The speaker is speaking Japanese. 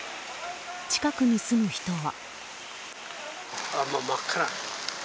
近くに住む人は。